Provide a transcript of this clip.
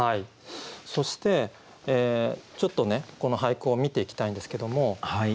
そしてちょっとねこの俳句を見ていきたいんですけども。